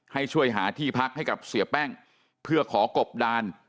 ให้ช่วยหาที่พักให้กับเสียแป้งเพื่อขอกบดาน